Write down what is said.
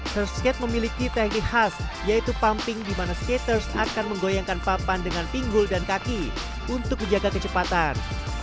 first skate memiliki teknik khas yaitu pumping di mana skaters akan menggoyangkan papan dengan pinggul dan kaki untuk menjaga kecepatan